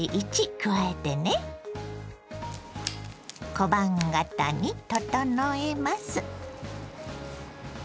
小判形に整えます。